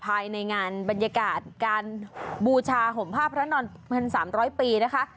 ภายในงานบรรยากาศการบูชาห่มผ้าพระนอนเงิน๓๐๐ปีนะคะ